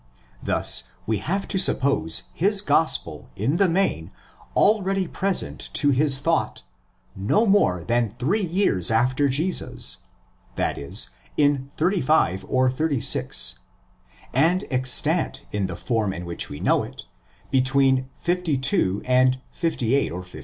Thus we have to suppose his Gospel in the main already present to his thought, no more than three years after Jesus—that is, in 35 or 86, and extant in the form an which we know it between 52 and 58 or 59.